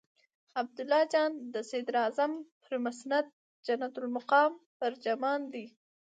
عبدالله جان د صدراعظم پر مسند جنت المقام براجمان دی.